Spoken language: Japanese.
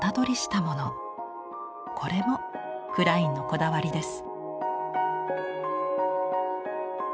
これもクラインのこだわりです。